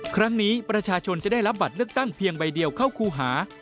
ครั้งนี้ประชาชนจะได้รับบัตรเลือกตั้งเพียงใบเดียวเข้าครูหา